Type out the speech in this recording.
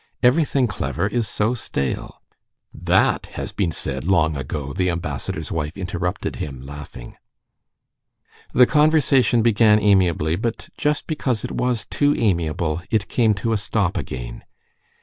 Everything clever is so stale...." "That has been said long ago," the ambassador's wife interrupted him, laughing. The conversation began amiably, but just because it was too amiable, it came to a stop again.